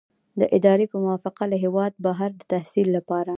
د ادارې په موافقه له هیواده بهر د تحصیل لپاره.